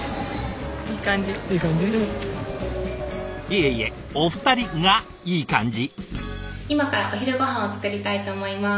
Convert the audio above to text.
いえいえお二人がいい感じ。